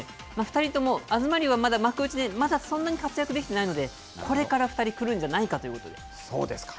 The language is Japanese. ２人とも、東龍はまだ幕内で、まだそんなに活躍できてないので、これから２人、来るんじゃないかそうですか。